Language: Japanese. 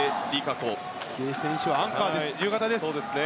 池江選手はアンカーです、自由形です。